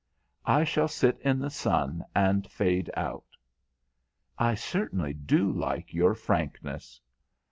"I shall sit in the sun and fade out." "I certainly do like your frankness."